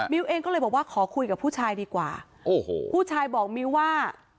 เองก็เลยบอกว่าขอคุยกับผู้ชายดีกว่าโอ้โหผู้ชายบอกมิ้วว่า